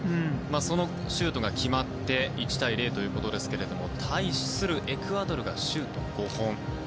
そのシュートが決まって１対０ということですが対するエクアドルがシュート５本。